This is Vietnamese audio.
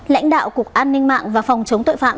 lãnh đạo cục an ninh mạng và phòng chống tội phạm